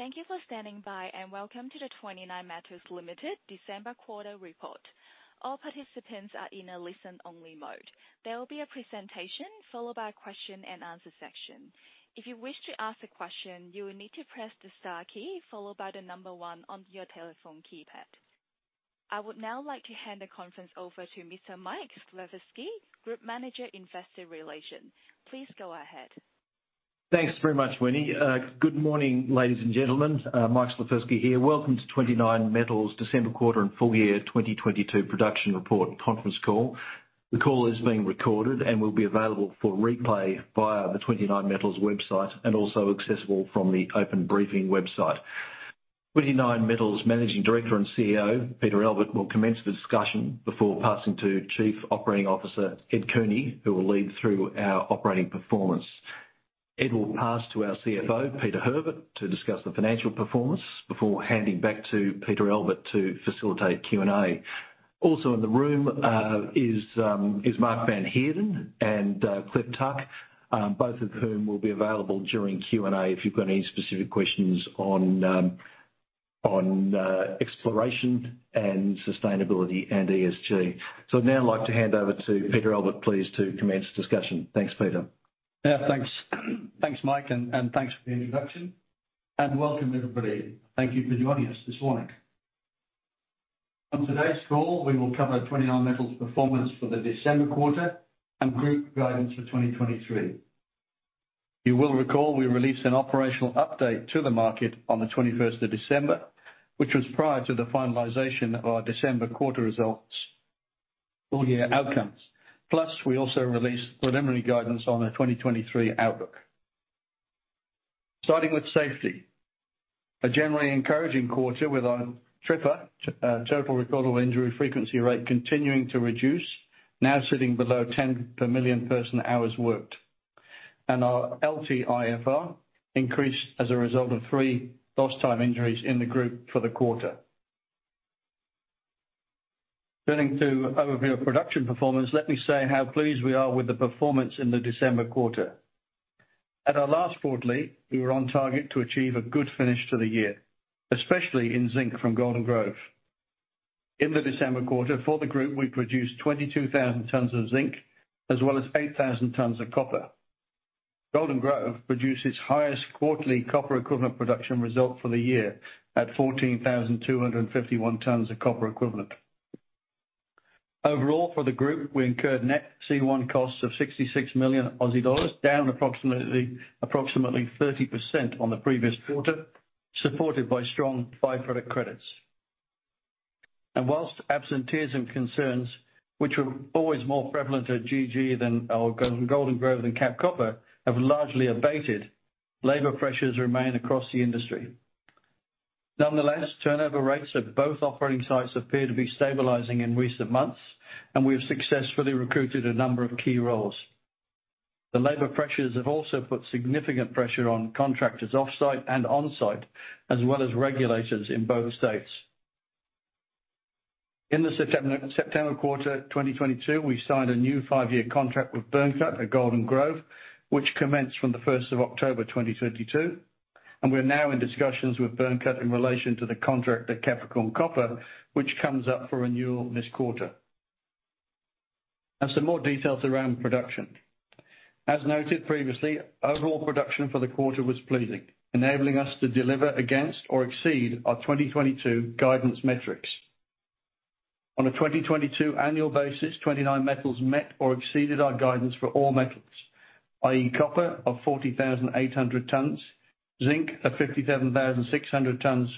Thank you for standing by. Welcome to the 29Metals Limited December quarter report. All participants are in a listen-only mode. There will be a presentation followed by a question and answer section. If you wish to ask a question, you will need to press the star key followed by 1 on your telephone keypad. I would now like to hand the conference over to Mr. Michael Slifirski, Group Manager, Investor Relations. Please go ahead. Thanks very much, Winnie. Good morning, ladies and gentlemen. Mike Slifirski here. Welcome to 29Metals December quarter and full year 2022 production report conference call. The call is being recorded and will be available for replay via the 29Metals website and also accessible from the Openbriefing website. 29Metals Managing Director and CEO, Peter Albert, will commence the discussion before passing to Chief Operating Officer, Ed Cooney, who will lead through our operating performance. Ed will pass to our CFO, Peter Herbert, to discuss the financial performance before handing back to Peter Albert to facilitate Q&A. Also in the room is Mark van Heerden and Cliff Tuck, both of whom will be available during Q&A if you've got any specific questions on exploration and sustainability and ESG. I'd now like to hand over to Peter Albert, please, to commence the discussion. Thanks, Peter. Yeah, thanks. Thanks, Mike, and thanks for the introduction. Welcome, everybody. Thank you for joining us this morning. On today's call, we will cover 29Metals' performance for the December quarter and group guidance for 2023. You will recall we released an operational update to the market on the 21st of December, which was prior to the finalization of our December quarter results full-year outcomes. Plus, we also released preliminary guidance on the 2023 outlook. Starting with safety, a generally encouraging quarter with our TRIFR, Total Recordable Injury Frequency Rate, continuing to reduce, now sitting below 10 per million person hours worked. Our LTIFR increased as a result of 3 lost time injuries in the group for the quarter. Turning to overview of production performance, let me say how pleased we are with the performance in the December quarter. At our last quarterly, we were on target to achieve a good finish to the year, especially in zinc from Golden Grove. In the December quarter, for the group, we produced 22,000 tons of zinc as well as 8,000 tons of copper. Golden Grove produced its highest quarterly copper equivalent production result for the year at 14,251 tons of copper equivalent. Overall, for the group, we incurred net C1 costs of 66 million Aussie dollars, down approximately 30% on the previous quarter, supported by strong by-product credits. Whilst absenteeism concerns, which were always more prevalent at GG than Golden Grove than Cap Copper, have largely abated, labor pressures remain across the industry. Nonetheless, turnover rates at both operating sites appear to be stabilizing in recent months, and we have successfully recruited a number of key roles. The labor pressures have also put significant pressure on contractors off-site and on-site, as well as regulators in both states. In the September quarter, 2022, we signed a new 5-year contract with Barminco at Golden Grove, which commenced from the 1st of October 2022, and we're now in discussions with Barminco in relation to the contract at Capricorn Copper, which comes up for renewal this quarter. Some more details around production. As noted previously, overall production for the quarter was pleasing, enabling us to deliver against or exceed our 2022 guidance metrics. On a 2022 annual basis, 29Metals met or exceeded our guidance for all metals, i.e. copper of 40,800 tons, zinc of 57,600 tons,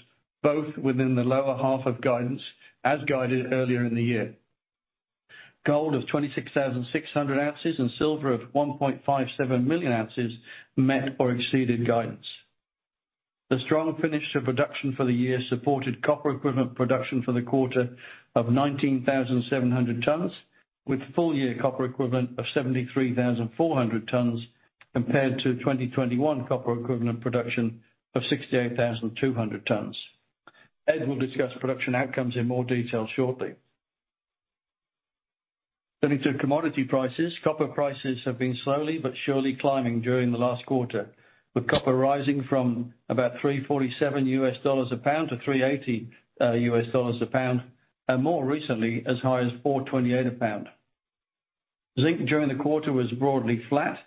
both within the lower half of guidance as guided earlier in the year. Gold of 26,600 ounces and silver of 1.57 million ounces met or exceeded guidance. The strong finish to production for the year supported copper equivalent production for the quarter of 19,700 tons, with full-year copper equivalent of 73,400 tons compared to 2021 copper equivalent production of 68,200 tons. Ed will discuss production outcomes in more detail shortly. Turning to commodity prices, copper prices have been slowly but surely climbing during the last quarter, with copper rising from about $3.47 a pound to $3.80 a pound, and more recently, as high as $4.28 a pound. Zinc during the quarter was broadly flat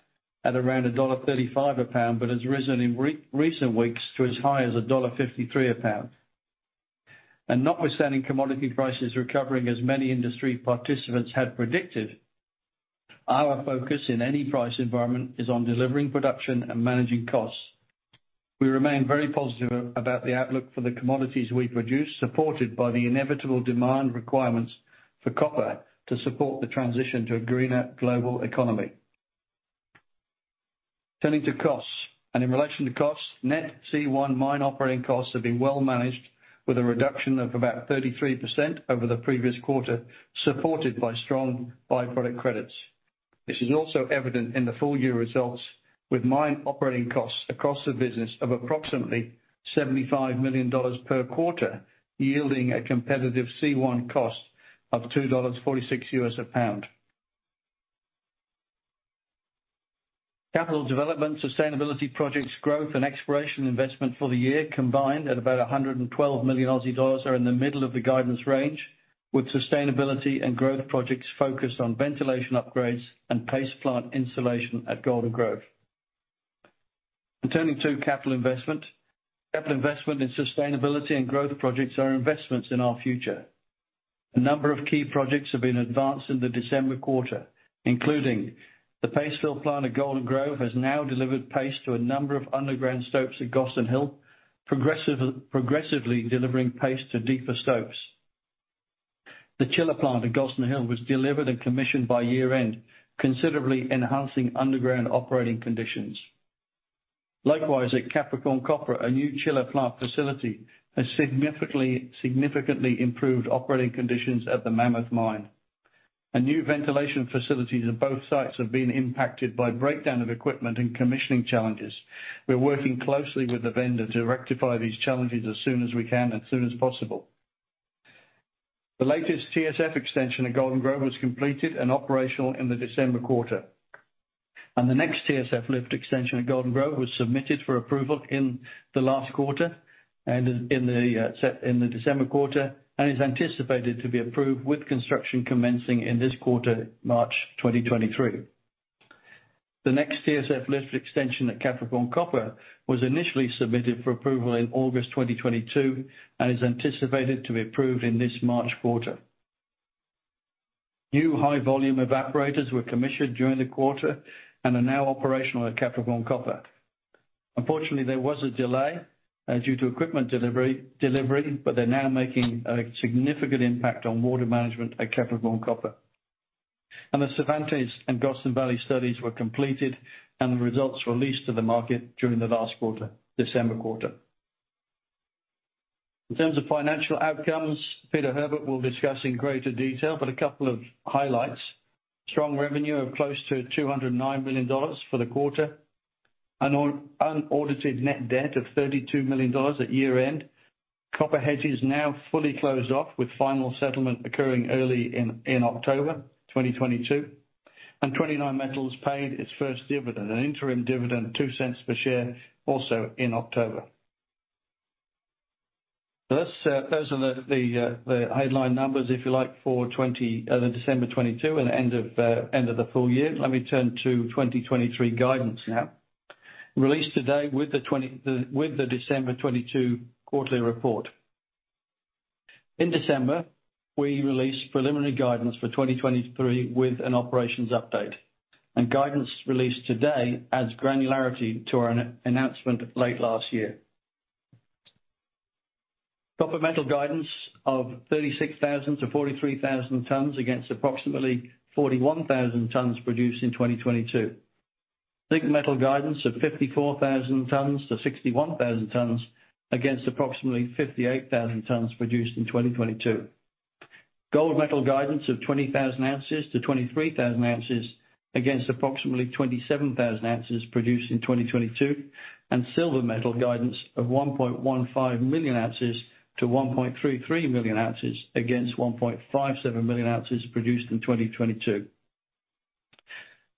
at around $1.35 a pound but has risen in recent weeks to as high as $1.53 a pound. Notwithstanding commodity prices recovering as many industry participants had predicted, our focus in any price environment is on delivering production and managing costs. We remain very positive about the outlook for the commodities we produce, supported by the inevitable demand requirements for copper to support the transition to a greener global economy. Turning to costs, and in relation to costs, net C1 mine operating costs have been well managed with a reduction of about 33% over the previous quarter, supported by strong by-product credits. This is also evident in the full-year results with mine operating costs across the business of approximately 75 million dollars per quarter, yielding a competitive C1 cost of $2.46 US a pound. Capital development, sustainability projects, growth and exploration investment for the year combined at about 112 million Aussie dollars are in the middle of the guidance range, with sustainability and growth projects focused on ventilation upgrades and paste plant installation at Golden Grove. Turning to capital investment. Capital investment and sustainability and growth projects are investments in our future. A number of key projects have been advanced in the December quarter, including the paste fill plant at Golden Grove has now delivered paste to a number of underground stopes at Gossan Hill, progressively delivering paste to deeper stopes. The chiller plant at Gossan Hill was delivered and commissioned by year-end, considerably enhancing underground operating conditions. Likewise, at Capricorn Copper, a new chiller plant facility has significantly improved operating conditions at the Mammoth Mine. A new ventilation facilities at both sites have been impacted by breakdown of equipment and commissioning challenges. We're working closely with the vendor to rectify these challenges as soon as we can, as soon as possible. The latest TSF extension at Golden Grove was completed and operational in the December quarter. The next TSF lift extension at Golden Grove was submitted for approval in the last quarter and in the December quarter, and is anticipated to be approved, with construction commencing in this quarter, March 2023. The next TSF lift extension at Capricorn Copper was initially submitted for approval in August 2022, and is anticipated to be approved in this March quarter. New high volume evaporators were commissioned during the quarter and are now operational at Capricorn Copper. Unfortunately, there was a delay due to equipment delivery, but they're now making a significant impact on water management at Capricorn Copper. The Cervantes and Gossan Valley studies were completed, and the results released to the market during the last quarter, December quarter. In terms of financial outcomes, Peter Herbert will discuss in greater detail, but a couple of highlights. Strong revenue of close to 209 million dollars for the quarter. An unaudited net debt of 32 million dollars at year-end. Copper hedges now fully closed off with final settlement occurring early in October 2022. 29Metals paid its first dividend, an interim dividend 0.02 per share, also in October. Those are the headline numbers, if you like, for the December 2022 and end of the full year. Let me turn to 2023 guidance now. Released today with the December 2022 quarterly report. In December, we released preliminary guidance for 2023 with an operations update, guidance released today adds granularity to our announcement late last year. Copper metal guidance of 36,000-43,000 tons against approximately 41,000 tons produced in 2022. Zinc metal guidance of 54,000-61,000 tons against approximately 58,000 tons produced in 2022. Gold metal guidance of 20,000-23,000 ounces against approximately 27,000 ounces produced in 2022. Silver metal guidance of 1.15 million ounces to 1.33 million ounces against 1.57 million ounces produced in 2022.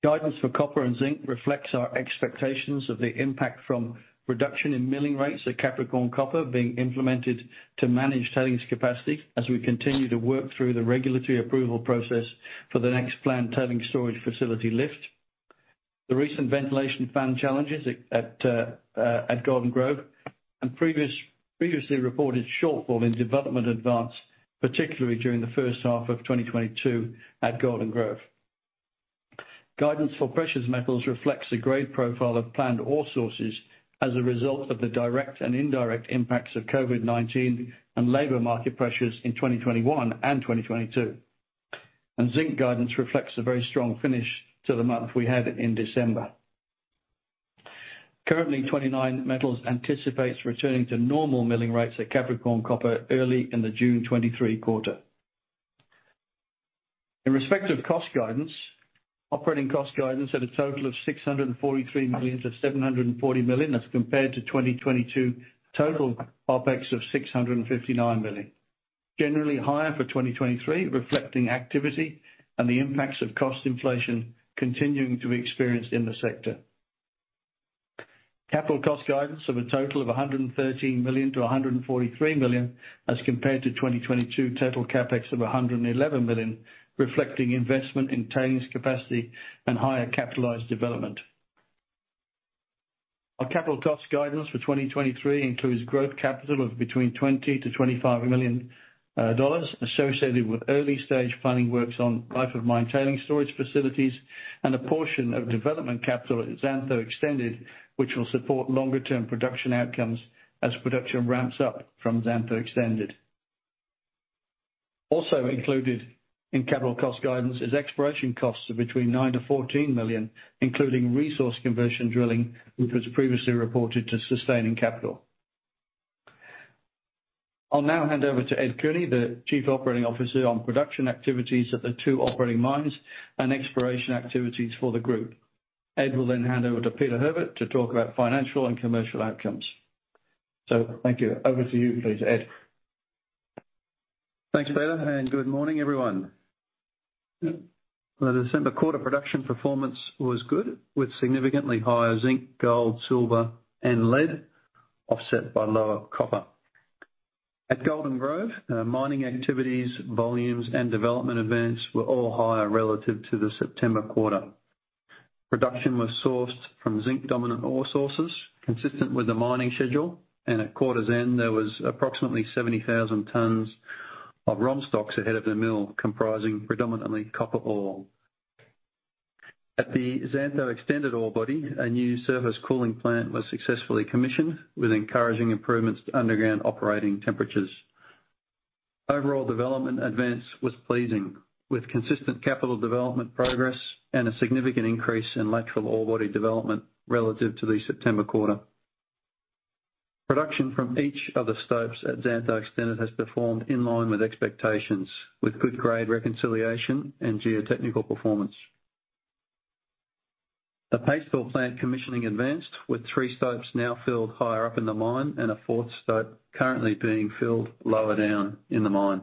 Guidance for copper and zinc reflects our expectations of the impact from reduction in milling rates at Capricorn Copper being implemented to manage tailings capacity as we continue to work through the regulatory approval process for the next planned tailing storage facility lift. The recent ventilation fan challenges at Golden Grove and previously reported shortfall in development advance, particularly during the first half of 2022 at Golden Grove. Guidance for precious metals reflects the grade profile of planned ore sources as a result of the direct and indirect impacts of COVID-19 and labor market pressures in 2021 and 2022. Zinc guidance reflects a very strong finish to the month we had in December. Currently, 29Metals anticipates returning to normal milling rates at Capricorn Copper early in the June 2023 quarter. In respect of cost guidance, operating cost guidance at a total of 643 million-740 million as compared to 2022 total OpEx of 659 million. Generally higher for 2023, reflecting activity and the impacts of cost inflation continuing to be experienced in the sector. Capital cost guidance of a total of 113 million-143 million, as compared to 2022 total CapEx of 111 million, reflecting investment in tailings capacity and higher capitalized development. Our capital cost guidance for 2023 includes growth capital of between 20 million-25 million dollars associated with early-stage planning works on life of mine tailing storage facilities and a portion of development capital at Xantho Extended, which will support longer term production outcomes as production ramps up from Xantho Extended. Also included in capital cost guidance is exploration costs of between 9 million-14 million, including resource conversion drilling, which was previously reported to sustaining capital. I'll now hand over to Ed Cooney, the Chief Operating Officer, on production activities at the two operating mines and exploration activities for the group. Ed will then hand over to Peter Herbert to talk about financial and commercial outcomes. Thank you. Over to you please, Ed. Thanks, Peter. Good morning, everyone. The December quarter production performance was good, with significantly higher zinc, gold, silver, and lead offset by lower copper. At Golden Grove, mining activities, volumes, and development events were all higher relative to the September quarter. Production was sourced from zinc-dominant ore sources, consistent with the mining schedule, and at quarter's end, there was approximately 70,000 tons of ROM stocks ahead of the mill, comprising predominantly copper ore. At the Xantho Extended ore body, a new service cooling plant was successfully commissioned with encouraging improvements to underground operating temperatures. Overall development advance was pleasing, with consistent capital development progress and a significant increase in lateral ore body development relative to the September quarter. Production from each of the stopes at Xantho Extended has performed in line with expectations, with good grade reconciliation and geotechnical performance. The paste fill plant commissioning advanced with three stopes now filled higher up in the mine and a fourth stope currently being filled lower down in the mine.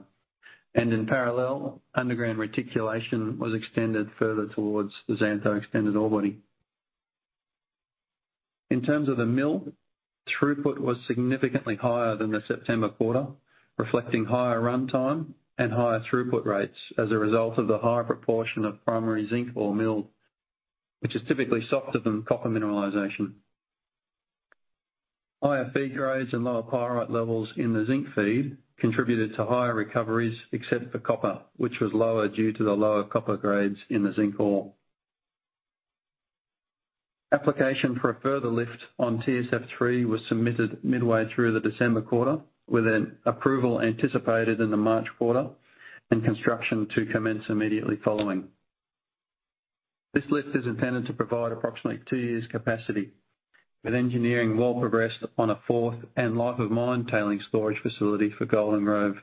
In parallel, underground reticulation was extended further towards the Xantho Extended ore body. In terms of the mill, throughput was significantly higher than the September quarter, reflecting higher runtime and higher throughput rates as a result of the higher proportion of primary zinc ore milled, which is typically softer than copper mineralization. Higher feed grades and lower pyrite levels in the zinc feed contributed to higher recoveries, except for copper, which was lower due to the lower copper grades in the zinc ore. Application for a further lift on TSF 3 was submitted midway through the December quarter, with an approval anticipated in the March quarter and construction to commence immediately following. This lift is intended to provide approximately two years capacity, with engineering well progressed on a fourth and life of mine Tailings Storage Facility for Golden Grove.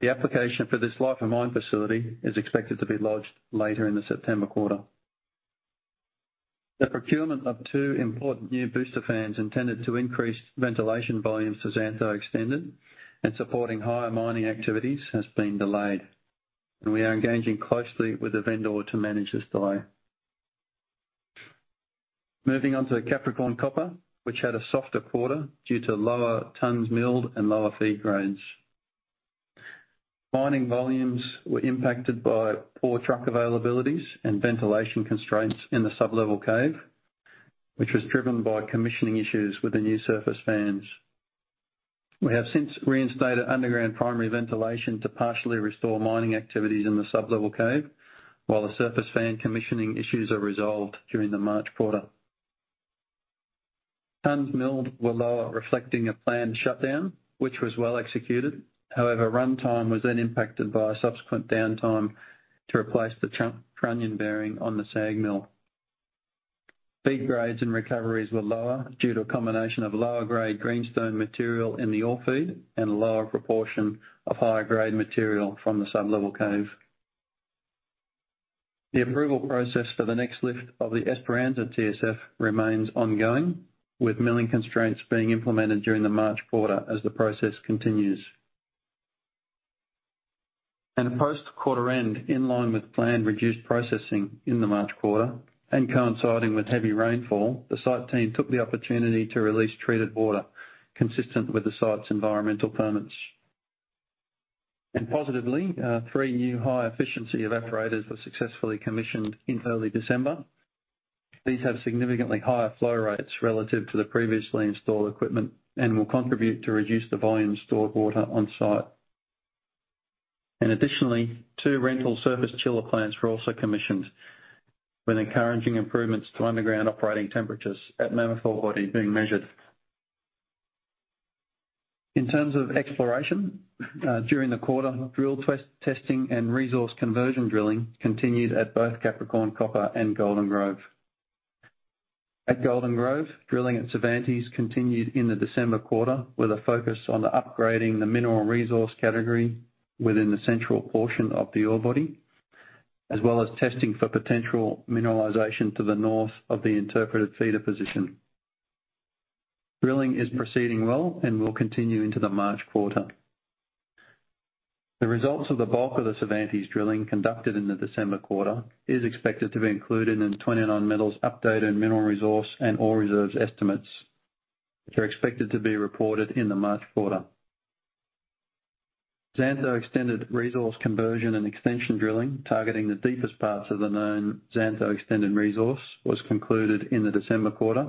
The application for this life of mine facility is expected to be lodged later in the September quarter. The procurement of two important new booster fans intended to increase ventilation volumes to Xantho Extended and supporting higher mining activities has been delayed. We are engaging closely with the vendor to manage this delay. Moving on to Capricorn Copper, which had a softer quarter due to lower tons milled and lower feed grades. Mining volumes were impacted by poor truck availabilities and ventilation constraints in the sublevel caving, which was driven by commissioning issues with the new surface fans. We have since reinstated underground primary ventilation to partially restore mining activities in the sublevel caving, while the surface fan commissioning issues are resolved during the March quarter. Tons milled were lower, reflecting a planned shutdown, which was well executed. However, runtime was then impacted by a subsequent downtime to replace the trunnion bearing on the SAG mill. Feed grades and recoveries were lower due to a combination of lower grade greenstone material in the ore feed and a lower proportion of higher grade material from the sublevel caving. The approval process for the next lift of the Esperança TSF remains ongoing, with milling constraints being implemented during the March quarter as the process continues. Post-quarter end, in line with planned reduced processing in the March quarter and coinciding with heavy rainfall, the site team took the opportunity to release treated water consistent with the site's environmental permits. Positively, three new high-efficiency evaporators were successfully commissioned in early December. These have significantly higher flow rates relative to the previously installed equipment and will contribute to reduce the volume stored water on-site. Additionally, two rental surface chiller plants were also commissioned, with encouraging improvements to underground operating temperatures at Mammoth ore body being measured. In terms of exploration, during the quarter, drill test-testing and resource conversion drilling continued at both Capricorn Copper and Golden Grove. At Golden Grove, drilling at Cervantes continued in the December quarter with a focus on upgrading the mineral resource category within the central portion of the ore body, as well as testing for potential mineralization to the north of the interpreted feeder position. Drilling is proceeding well and will continue into the March quarter. The results of the bulk of the Cervantes drilling conducted in the December quarter is expected to be included in 29Metals updated mineral resource and ore reserves estimates, which are expected to be reported in the March quarter. Xantho Extended resource conversion and extension drilling, targeting the deepest parts of the known Xantho Extended resource, was concluded in the December quarter,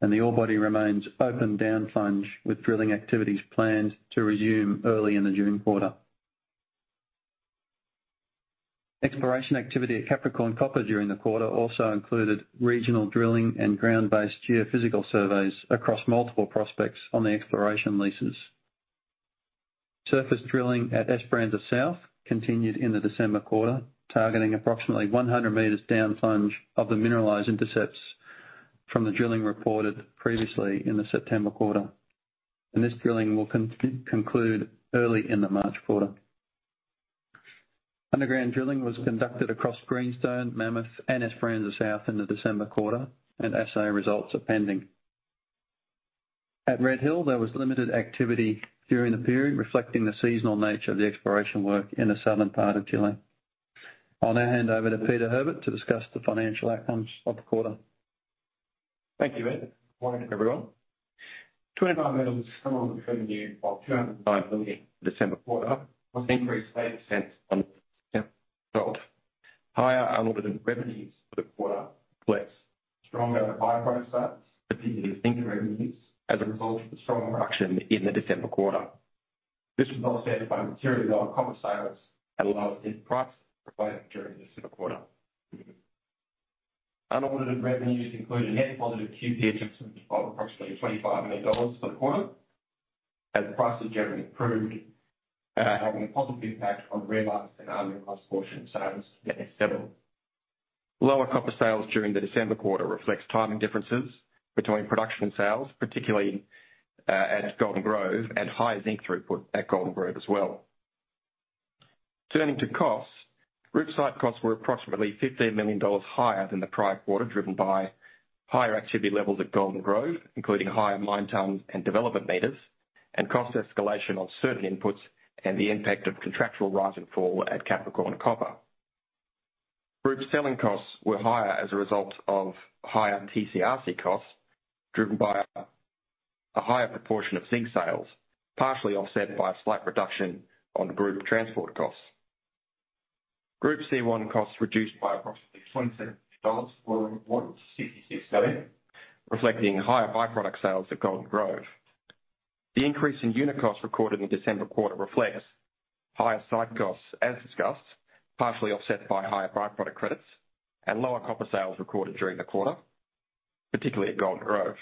and the ore body remains open down plunge, with drilling activities planned to resume early in the June quarter. Exploration activity at Capricorn Copper during the quarter also included regional drilling and ground-based geophysical surveys across multiple prospects on the exploration leases. Surface drilling at Esperanza South continued in the December quarter, targeting approximately 100 meters down plunge of the mineralized intercepts from the drilling reported previously in the September quarter. This drilling will conclude early in the March quarter. Underground drilling was conducted across Greenstone, Mammoth and Esperanza South in the December quarter, and assay results are pending. At Red Hill, there was limited activity during the period, reflecting the seasonal nature of the exploration work in the southern part of Chile. I'll now hand over to Peter Herbert to discuss the financial outcomes of the quarter. Thank you, Ed. Morning, everyone. 29Metals' total revenue of 209 million December quarter was increased 80% on Higher unaudited revenues for the quarter reflects stronger byproduct sales compared to zinc revenues as a result of the strong production in the December quarter. This was offset by materially lower copper sales at a lower zinc price provided during the December quarter. Unaudited revenues include a net positive QPP adjustment of approximately 25 million dollars for the quarter as prices generally improved, having a positive impact on realized and unrealized portion of sales net settle. Lower copper sales during the December quarter reflects timing differences between production and sales, particularly at Golden Grove and higher zinc throughput at Golden Grove as well. Turning to costs, group site costs were approximately 15 million dollars higher than the prior quarter, driven by higher activity levels at Golden Grove, including higher mine tons and development meters and cost escalation on certain inputs and the impact of contractual rise and fall at Capricorn Copper. Group selling costs were higher as a result of higher TCRC costs, driven by a higher proportion of zinc sales, partially offset by a slight reduction on group transport costs. Group C1 costs reduced by approximately 27 dollars quarter-on-quarter to 66 million dollars, reflecting higher by-product sales at Golden Grove. The increase in unit costs recorded in the December quarter reflects higher site costs, as discussed, partially offset by higher by-product credits and lower copper sales recorded during the quarter, particularly at Golden Grove.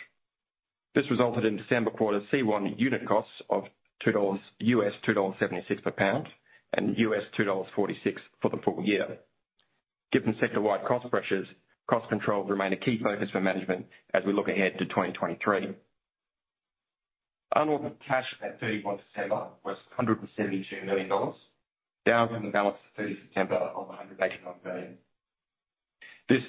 This resulted in December quarter C1 unit costs of AUD 2... $2.76 per pound and $2.46 for the full year. Given sector-wide cost pressures, cost controls remain a key focus for management as we look ahead to 2023. Unaudited cash at 31 December was $172 million, down from the balance at 30 September of $181 million. This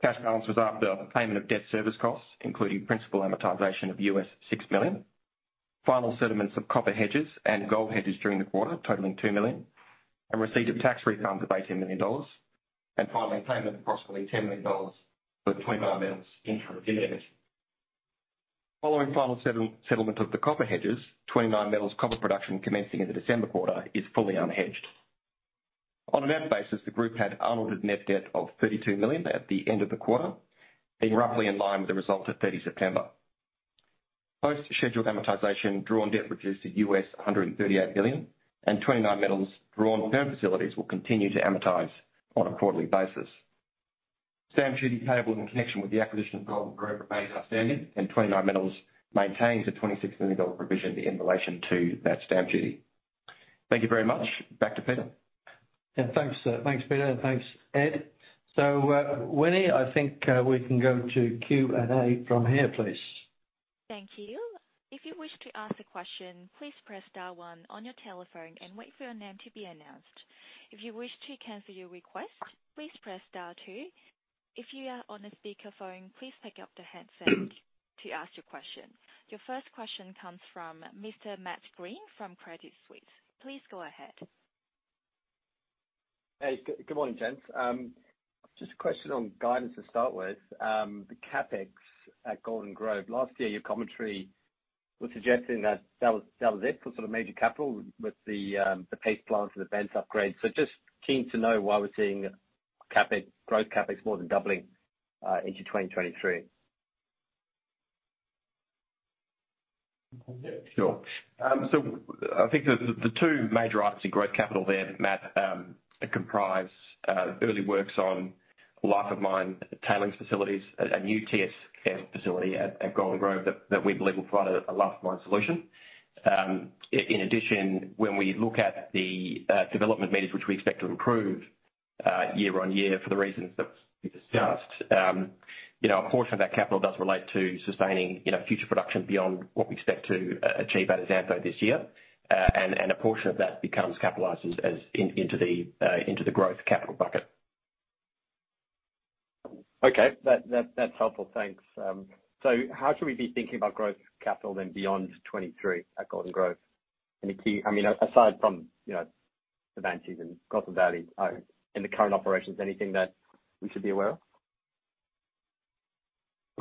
cash balance was after the payment of debt service costs, including principal amortization of $6 million. Final settlements of copper hedges and gold hedges during the quarter, totaling $2 million, and receipt of tax refunds of $18 million, and finally, payment of approximately $10 million for the 29Metals interest in advance. Following final settlement of the copper hedges, 29Metals copper production commencing in the December quarter is fully unhedged. On a net basis, the group had unaudited net debt of 32 million at the end of the quarter, being roughly in line with the result at 30 September. Post-scheduled amortization, drawn debt reduced to $138 million and 29Metals drawn down facilities will continue to amortize on a quarterly basis. Stamp duty payable in connection with the acquisition of Golden Grove remains outstanding, and 29Metals maintains an 26 million dollar provision in relation to that stamp duty. Thank you very much. Back to Peter. Yeah, thanks, Peter. Thanks, Ed. Winnie, I think, we can go to Q&A from here, please. Thank you. If you wish to ask a question, please press star one on your telephone and wait for your name to be announced. If you wish to cancel your request, please press star two. If you are on a speakerphone, please pick up the handset to ask your question. Your first question comes from Mr. Matt Greene from Credit Suisse. Please go ahead. Hey, good morning, gents. Just a question on guidance to start with. The CapEx at Golden Grove. Last year, your commentary was suggesting that that was it for sort of major capital with the paste plants and the vents upgrade. Just keen to know why we're seeing CapEx, growth CapEx more than doubling into 2023. Yeah, sure. I think the two major items in growth capital there, Matt, comprise early works on life of mine tailings facilities, a new TSF facility at Golden Grove that we believe will provide a lasting mine solution. In addition, when we look at the development meters, which we expect to improve year on year for the reasons that we discussed. You know, a portion of that capital does relate to sustaining, you know, future production beyond what we expect to achieve at Xantho Extended this year. A portion of that becomes capitalized as into the growth capital bucket. Okay. That's helpful. Thanks. How should we be thinking about growth capital then beyond 2023 at Golden Grove? I mean, aside from, you know, advances in Golden Valley, in the current operations, anything that we should be aware of?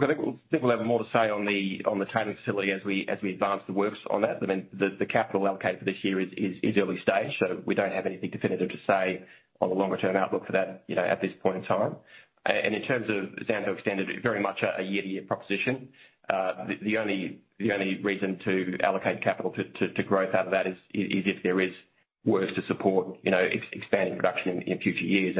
I think we'll have more to say on the tailings facility as we advance the works on that. The capital allocated for this year is early stage, so we don't have anything definitive to say on the longer-term outlook for that, you know, at this point in time. In terms of Xantho Extended, very much a year-to-year proposition. The only reason to allocate capital to growth out of that is if there is works to support, you know, expanding production in future years.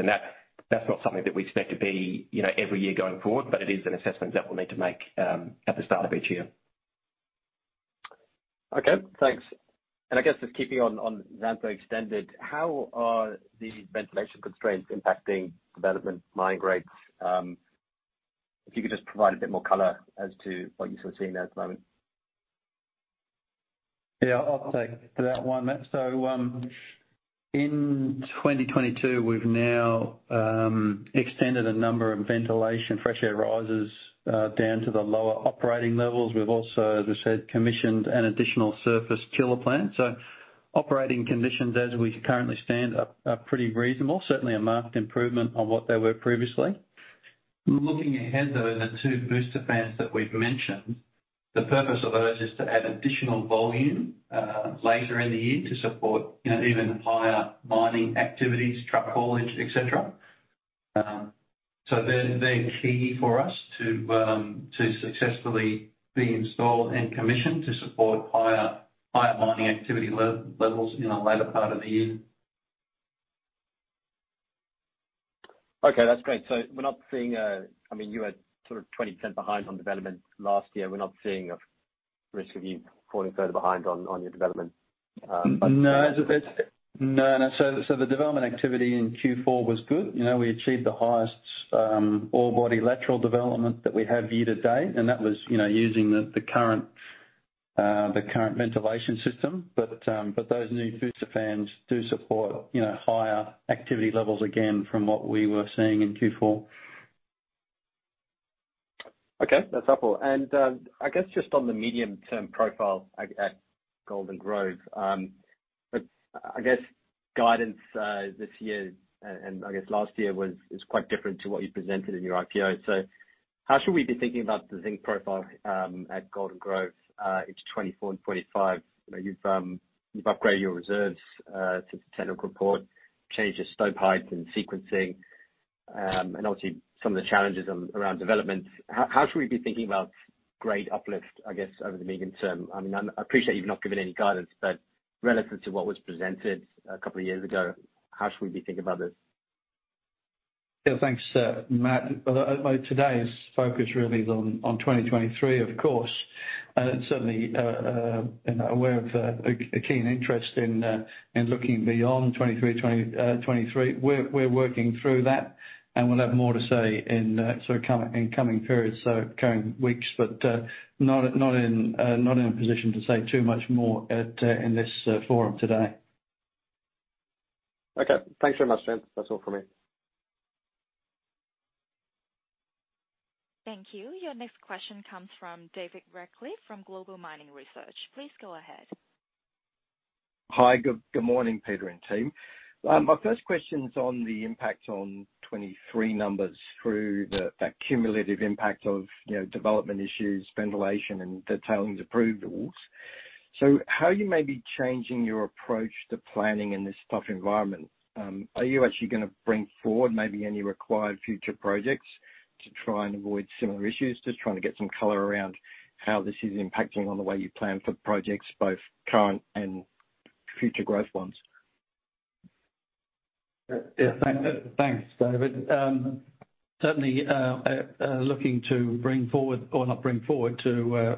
That's not something that we expect to be, you know, every year going forward, but it is an assessment that we'll need to make at the start of each year. Okay, thanks. I guess just keeping on Xantho Extended, how are the ventilation constraints impacting development mine grades? If you could just provide a bit more color as to what you're sort of seeing there at the moment. Yeah, I'll take that one, Matt. In 2022, we've now extended a number of ventilation fresh air rises down to the lower operating levels. We've also, as I said, commissioned an additional surface tiller plant. Operating conditions as we currently stand are pretty reasonable, certainly a marked improvement on what they were previously. Looking ahead, though, the two booster fans that we've mentioned, the purpose of those is to add additional volume later in the year to support, you know, even higher mining activities, truck haulage, et cetera. They're key for us to successfully be installed and commissioned to support higher mining activity levels in the latter part of the year. Okay, that's great. We're not seeing a. I mean, you had sort of 20% behind on development last year. We're not seeing a risk of you falling further behind on your development budget? No. No. The development activity in Q4 was good. You know, we achieved the highest, ore body lateral development that we have year to date, and that was, you know, using the current ventilation system. Those new booster fans do support, you know, higher activity levels again from what we were seeing in Q4. Okay, that's helpful. I guess just on the medium-term profile at Golden Grove, I guess guidance this year and I guess last year was quite different to what you presented in your IPO. How should we be thinking about the zinc profile at Golden Grove into 2024 and 2025? You know, you've upgraded your reserves to the technical report, changed your stope heights and sequencing, and obviously some of the challenges around development. How should we be thinking about grade uplift, I guess, over the medium term? I mean, I appreciate you've not given any guidance, but relative to what was presented a couple of years ago, how should we be thinking about this? Yeah, thanks, Matt. Well, today's focus really is on 2023, of course, and certainly aware of a keen interest in looking beyond 2023. We're working through that, and we'll have more to say in coming periods, coming weeks. not in a position to say too much more in this forum today. Okay. Thanks very much, gents. That's all from me. Thank you. Your next question comes from David Radclyffe from Global Mining Research. Please go ahead. Hi. Good, good morning, Peter and team. My first question's on the impact on 23 numbers through the, that cumulative impact of, you know, development issues, ventilation and the tailings approved rules. How you may be changing your approach to planning in this tough environment, are you actually gonna bring forward maybe any required future projects to try and avoid similar issues? Just trying to get some color around how this is impacting on the way you plan for projects, both current and future growth ones. Yeah, thanks. Thanks, David. Certainly, looking to bring forward or not bring forward to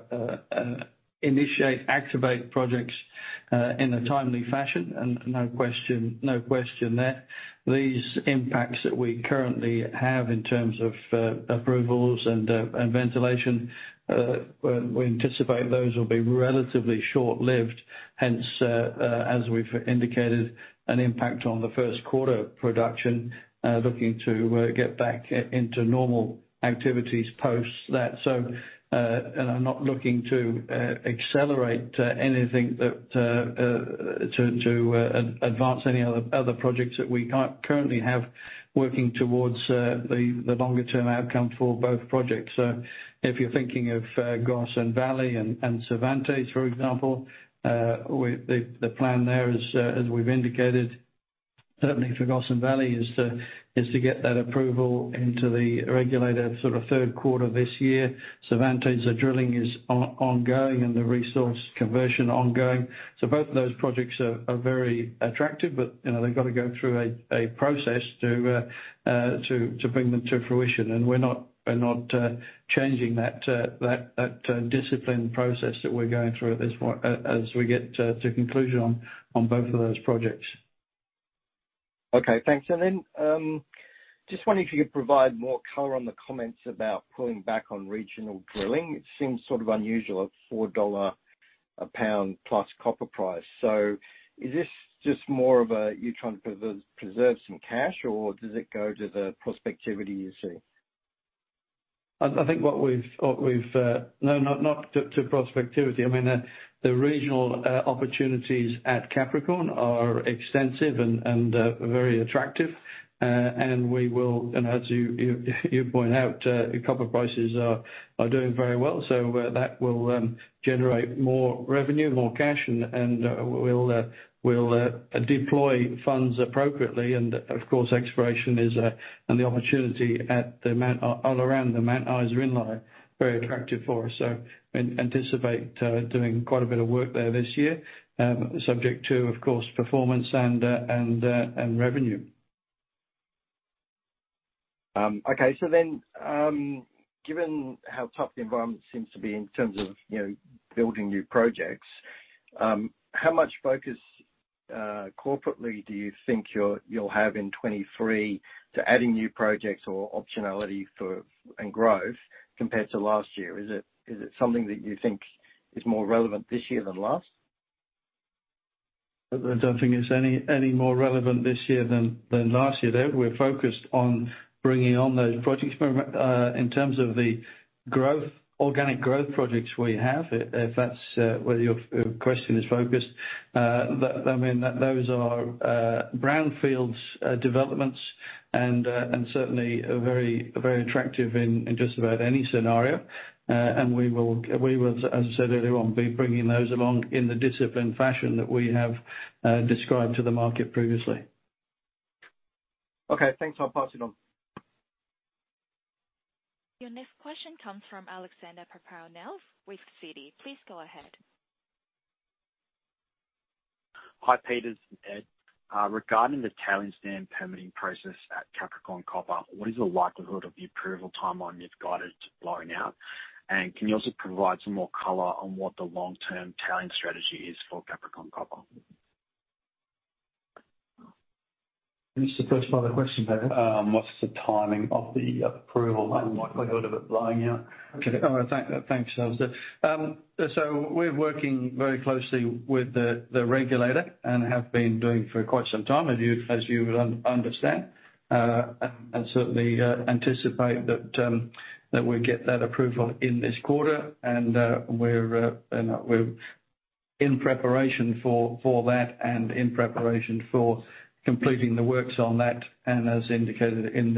initiate, activate projects in a timely fashion. No question there. These impacts that we currently have in terms of approvals and ventilation, we anticipate those will be relatively short-lived. Hence, as we've indicated, an impact on the first quarter production, looking to get back into normal activities post that. I'm not looking to accelerate anything that to advance any other projects that we currently have working towards the longer-term outcome for both projects. If you're thinking of Gossan Valley and Cervantes, for example, the plan there is, as we've indicated, certainly for Gossan Valley is to get that approval into the regulator sort of third quarter this year. Cervantes, the drilling is ongoing and the resource conversion ongoing. Both of those projects are very attractive, but, you know, they've got to go through a process to bring them to fruition. We're not changing that discipline process that we're going through at this point as we get to conclusion on both of those projects. Okay, thanks. Just wondering if you could provide more color on the comments about pulling back on regional drilling. It seems sort of unusual at $4 a pound plus copper price. Is this just more of a, you trying to preserve some cash, or does it go to the prospectivity you see? I think what we've. No, not to prospectivity. I mean, the regional opportunities at Capricorn are extensive and very attractive. And we will, and as you point out, copper prices are doing very well. That will generate more revenue, more cash, and we'll deploy funds appropriately. Of course, exploration is, and the opportunity at the Mount, all around the Mount Isa inlier, very attractive for us. Anticipate doing quite a bit of work there this year, subject to, of course, performance and revenue. Okay. given how tough the environment seems to be in terms of, you know, building new projects, how much? Corporately, do you think you'll have in 2023 to adding new projects or optionality for and growth compared to last year? Is it something that you think is more relevant this year than last? I don't think it's any more relevant this year than last year, Dave. We're focused on bringing on those projects. In terms of the growth, organic growth projects we have, if that's where your question is focused, I mean, those are brownfields developments and certainly are very attractive in just about any scenario. We will, as I said earlier on, be bringing those along in the disciplined fashion that we have described to the market previously. Okay, thanks. I'll pass it on. Your next question comes from Alexander Hrushevsky with Citi. Please go ahead. Hi, Peter and Ed. Regarding the tailings dam permitting process at Capricorn Copper, what is the likelihood of the approval timeline you've guided blowing out? Can you also provide some more color on what the long-term tailing strategy is for Capricorn Copper? Can you just repeat the first part of the question, Peter? What's the timing of the approval and the likelihood of it blowing out? Okay. Thanks, Alexander. We're working very closely with the regulator and have been doing for quite some time, as you would understand. Certainly anticipate that we get that approval in this quarter. We're in preparation for that and in preparation for completing the works on that. As indicated in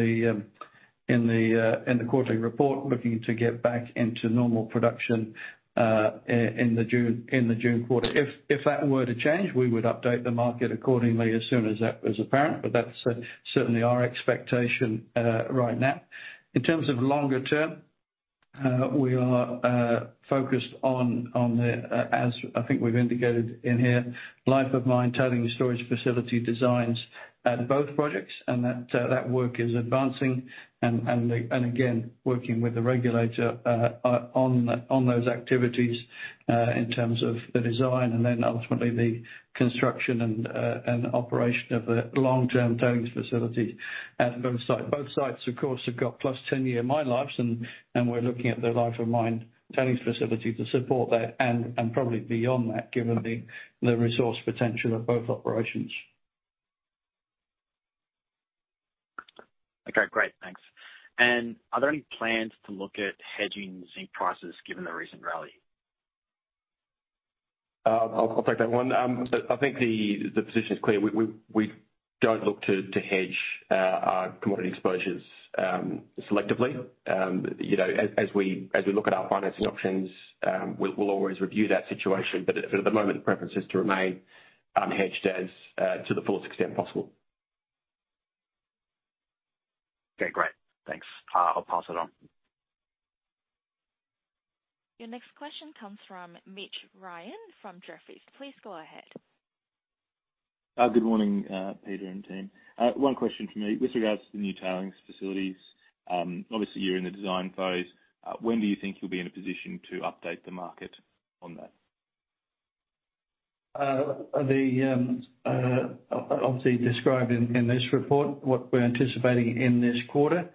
the quarterly report, looking to get back into normal production in the June quarter. If that were to change, we would update the market accordingly as soon as that was apparent. That's certainly our expectation right now. In terms of longer term, we are focused on the, as I think we've indicated in here, life of mine tailings storage facility designs at both projects, and that work is advancing. Again, working with the regulator on those activities in terms of the design and then ultimately the construction and operation of the long-term tailings facilities at both sites. Both sites, of course, have got plus 10-year mine lives and we're looking at the life of mine tailings facility to support that and probably beyond that, given the resource potential of both operations. Okay, great. Thanks. Are there any plans to look at hedging zinc prices given the recent rally? I'll take that one. I think the position is clear. We don't look to hedge our commodity exposures selectively. You know, as we look at our financing options, we'll always review that situation. At the moment, the preference is to remain unhedged as to the fullest extent possible. Okay, great. Thanks. I'll pass it on. Your next question comes from Mitch Ryan from Jefferies. Please go ahead. Good morning, Peter and team. One question from me. With regards to the new tailings facilities, obviously you're in the design phase. When do you think you'll be in a position to update the market on that? The obviously described in this report, what we're anticipating in this quarter.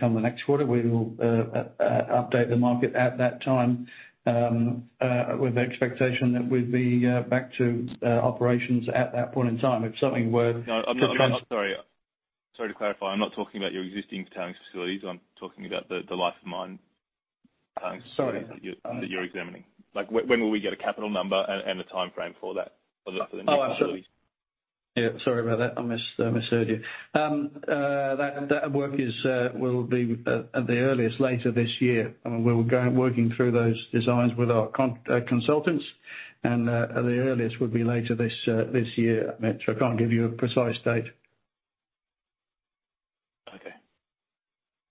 Come the next quarter, we will update the market at that time with the expectation that we'll be back to operations at that point in time. If something were. No, I'm not, I'm sorry. Sorry, to clarify, I'm not talking about your existing tailings facilities. I'm talking about the life of mine tailings... Sorry... facility that you're examining. Like, when will we get a capital number and a timeframe for the new tailings facilities? Oh, absolutely. Yeah, sorry about that. I misheard you. That work is will be at the earliest later this year. We were working through those designs with our consultants, and at the earliest would be later this year, Mitch. I can't give you a precise date. Okay.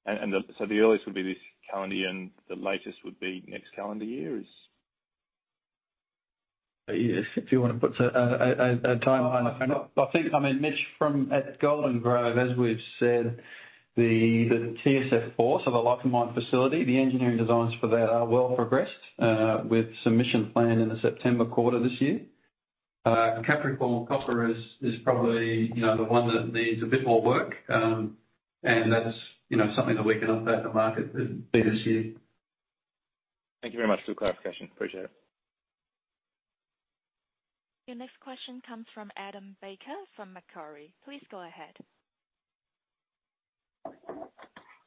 The earliest would be this calendar year and the latest would be next calendar year is? Yes. If you wanna put a time on it. I think, I mean, Mitch, from at Golden Grove, as we've said, the TSF force of the life of mine facility, the engineering designs for that are well progressed with submission planned in the September quarter this year. Capricorn Copper is probably, you know, the one that needs a bit more work. That's, you know, something that we can update the market later this year. Thank you very much for the clarification. Appreciate it. Your next question comes from Adam Baker from Macquarie. Please go ahead.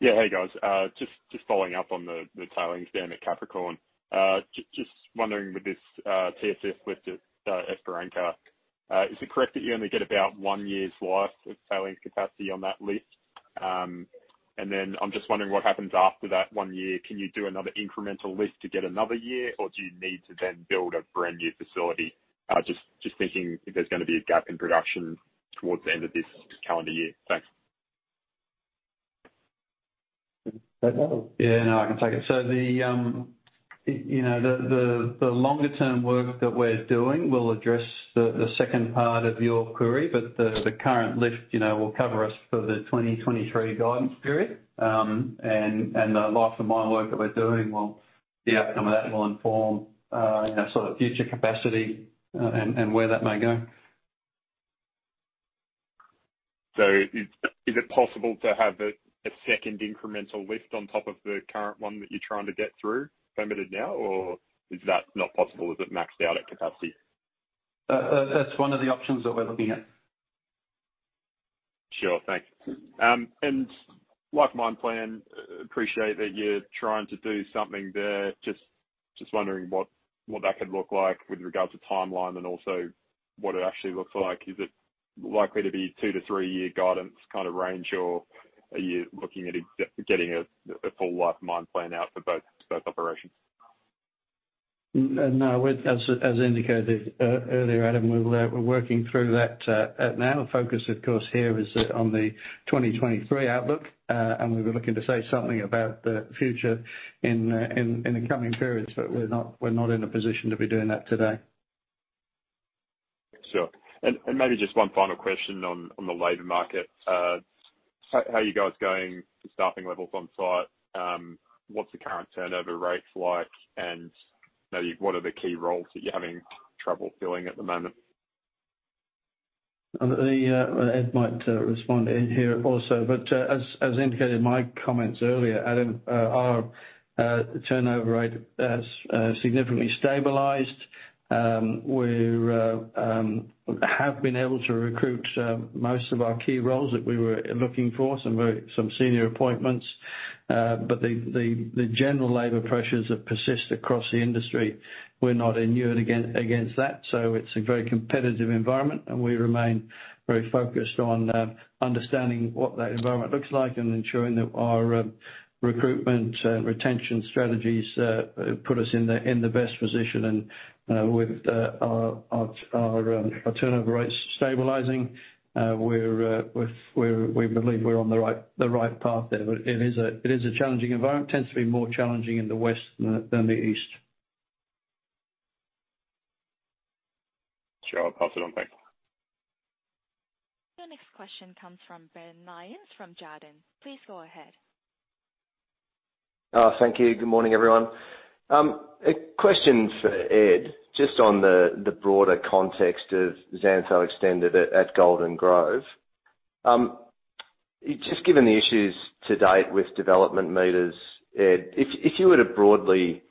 Yeah. Hey, guys. Just following up on the tailings dam at Capricorn. Just wondering with this TSF lift at Esperança, is it correct that you only get about one year's life of tailings capacity on that lift? I'm just wondering what happens after that one year. Can you do another incremental lift to get another year, or do you need to then build a brand-new facility? Just thinking if there's gonna be a gap in production towards the end of this calendar year. Thanks. Dave, that. Yeah. No, I can take it. The, you know, the, the longer term work that we're doing will address the second part of your query. The, the current lift, you know, will cover us for the 2023 guidance period. The life of mine work that we're doing will, the outcome of that will inform, you know, sort of future capacity, and, where that may go. Is it possible to have a second incremental lift on top of the current one that you're trying to get through permitted now, or is that not possible? Is it maxed out at capacity? That's one of the options that we're looking at. Sure. Thanks. Life mine plan, appreciate that you're trying to do something there. Just wondering what that could look like with regards to timeline and also what it actually looks like. Is it likely to be two-three year guidance kind of range, or are you looking at getting a full life mine plan out for both operations? No, as indicated earlier, Adam, we're working through that now. Focus, of course, here is on the 2023 outlook. We were looking to say something about the future in the coming periods, but we're not, we're not in a position to be doing that today. Sure. Maybe just one final question on the labor market. How are you guys going for staffing levels on site? What's the current turnover rates like? You know, what are the key roles that you're having trouble filling at the moment? The Ed might respond here also. As indicated in my comments earlier, Adam, our turnover rate has significantly stabilized. We're have been able to recruit most of our key roles that we were looking for, some senior appointments. The general labor pressures have persisted across the industry. We're not immune against that, so it's a very competitive environment, and we remain very focused on understanding what that environment looks like and ensuring that our recruitment, retention strategies put us in the best position. With our turnover rates stabilizing, we believe we're on the right, the right path there. It is a, it is a challenging environment. Tends to be more challenging in the west than the, than the east. Sure. I'll pass it on. Thanks. Your next question comes from Ben Mayne, from Jarden. Please go ahead. Thank you. Good morning, everyone. A question for Ed, just on the broader context of Xantho Extended at Golden Grove. Just given the issues to date with development meters, Ed, if you were to broadly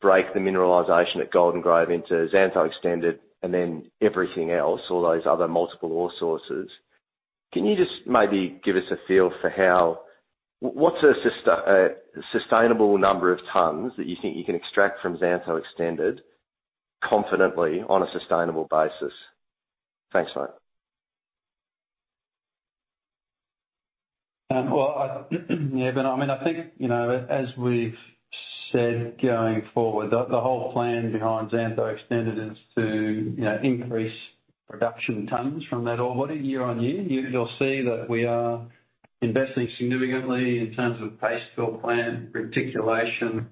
break the mineralization at Golden Grove into Xantho Extended and then everything else, all those other multiple ore sources, can you just maybe give us a feel for what's a sustainable number of tons that you think you can extract from Xantho Extended confidently on a sustainable basis? Thanks, mate. Well, I, yeah, Ben. I mean, I think, you know, as we've said, going forward, the whole plan behind Xantho Extended is to, you know, increase production tons from that ore body year-on-year. You, you'll see that we are investing significantly in terms of paste fill plant, reticulation,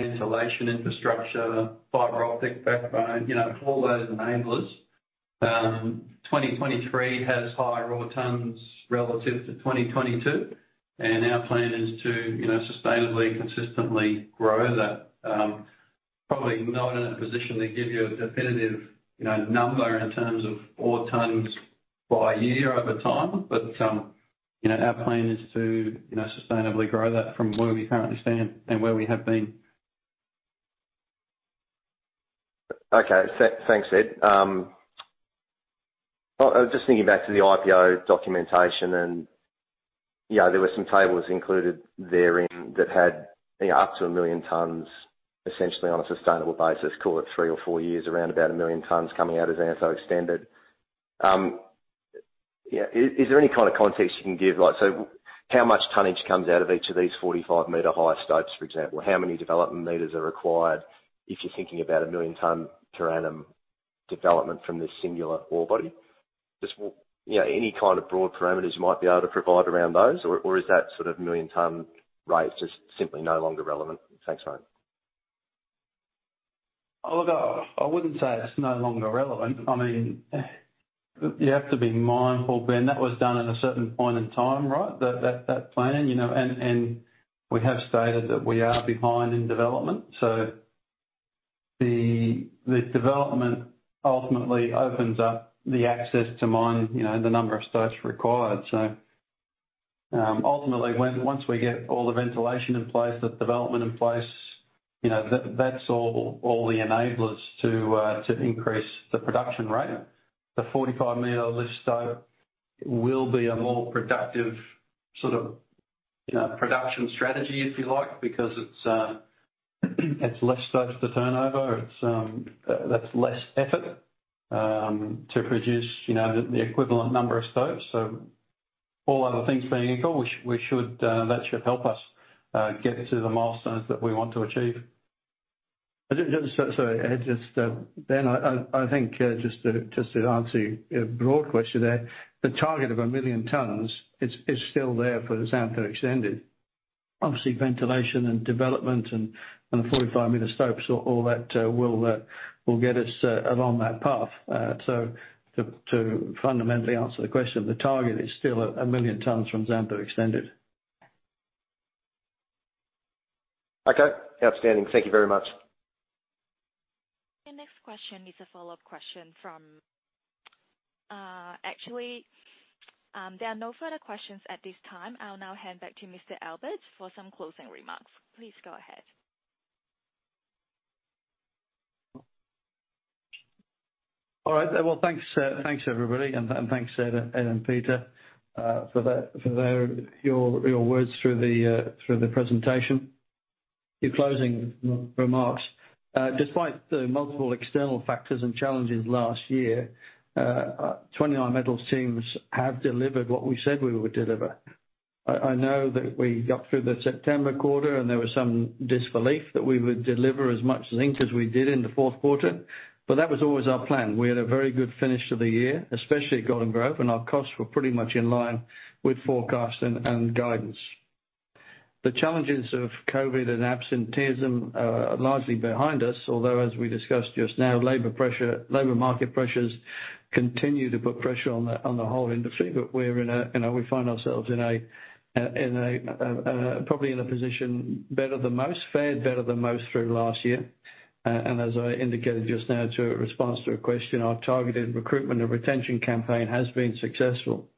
ventilation infrastructure, fiber optic backbone, you know, all those enablers. 2023 has higher ore tons relative to 2022, and our plan is to, you know, sustainably, consistently grow that. Probably not in a position to give you a definitive, you know, number in terms of ore tons by year over time. You know, our plan is to, you know, sustainably grow that from where we currently stand and where we have been. Thanks, Ed. I was just thinking back to the IPO documentation. Yeah, there were some tables included therein that had up to 1 million tons, essentially on a sustainable basis, call it three or four years, around about 1 million tons coming out of Xantho Extended. Yeah, is there any kind of context you can give? Like, so how much tonnage comes out of each of these 45-meter high stopes, for example? How many development meters are required if you're thinking about a 1 million ton per annum development from this singular orebody? Just, you know, any kind of broad parameters you might be able to provide around those? Or is that sort of 1 million ton rate just simply no longer relevant? Thanks, mate. Look, I wouldn't say it's no longer relevant. I mean, you have to be mindful, Ben. That was done at a certain point in time, right? That plan. You know, we have stated that we are behind in development. The development ultimately opens up the access to mine, you know, the number of stopes required. Ultimately, once we get all the ventilation in place, the development in place, you know, that's all the enablers to increase the production rate. The 45-meter list stope will be a more productive sort of, you know, production strategy, if you like, because it's less stopes to turn over. It's that's less effort to produce, you know, the equivalent number of stopes. All other things being equal, we should, that should help us, get to the milestones that we want to achieve. Just so, Ed, Ben, I think, just to answer your broad question there, the target of 1 million tons is still there for the Xantho Extended. Obviously, ventilation and development and the 45-meter stopes, all that will get us along that path. To fundamentally answer the question, the target is still 1 million tons from Xantho Extended. Okay, outstanding. Thank you very much. The next question is a follow-up question from. Actually, there are no further questions at this time. I'll now hand back to Mr. Albert for some closing remarks. Please go ahead. All right. Well, thanks, everybody. Thanks, Ed and Peter, for your words through the presentation. A few closing remarks. Despite the multiple external factors and challenges last year, 29Metals teams have delivered what we said we would deliver. I know that we got through the September quarter, there was some disbelief that we would deliver as much zinc as we did in the 4th quarter, that was always our plan. We had a very good finish to the year, especially at Golden Grove, our costs were pretty much in line with forecast and guidance. The challenges of COVID and absenteeism are largely behind us, although, as we discussed just now, labor market pressures continue to put pressure on the whole industry. We're in a, you know, we find ourselves in a probably in a position better than most, fared better than most through last year. As I indicated just now to a response to a question, our targeted recruitment and retention campaign has been successful.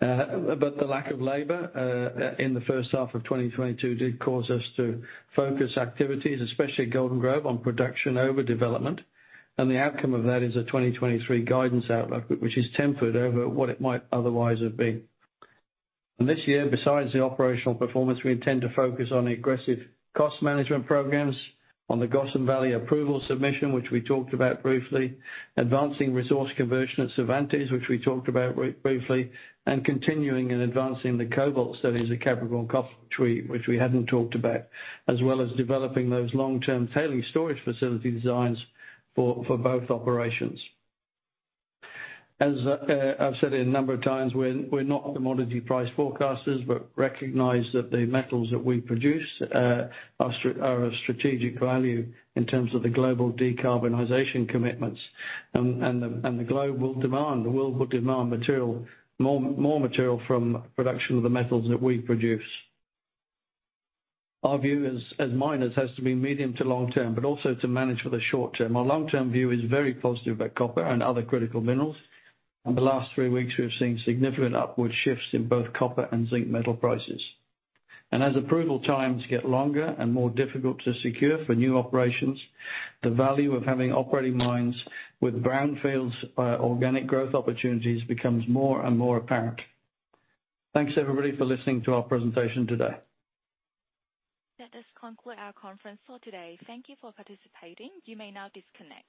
The lack of labor in the first half of 2022 did cause us to focus activities, especially at Golden Grove, on production over development. The outcome of that is a 2023 guidance outlook, which is tempered over what it might otherwise have been. This year, besides the operational performance, we intend to focus on aggressive cost management programs, on the Gossan Valley approval submission, which we talked about briefly, advancing resource conversion at Cervantes, which we talked about briefly, and continuing and advancing the cobalt studies at Capel and Coffee Tree, which we hadn't talked about, as well as developing those long-term tailings storage facility designs for both operations. As I've said it a number of times, we're not commodity price forecasters, but recognize that the metals that we produce are of strategic value in terms of the global decarbonization commitments. The global demand, the world will demand more material from production of the metals that we produce. Our view as miners has to be medium to long term, but also to manage for the short term. Our long-term view is very positive about copper and other critical minerals. In the last three weeks, we've seen significant upward shifts in both copper and zinc metal prices. As approval times get longer and more difficult to secure for new operations, the value of having operating mines with brownfields organic growth opportunities becomes more and more apparent. Thanks, everybody, for listening to our presentation today. That does conclude our conference call today. Thank you for participating. You may now disconnect.